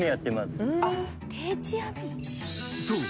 ［そう。